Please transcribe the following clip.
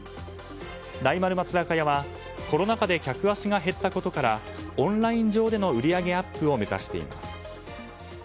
大丸松坂屋は、コロナ禍で客足が減ったことからオンライン上での売り上げアップを目指しています。